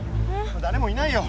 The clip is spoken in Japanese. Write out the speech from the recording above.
だれもいないよ。